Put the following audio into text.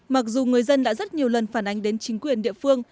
mặc dù người dân đã rất nhiều lần phản ánh đến chính quyền địa phương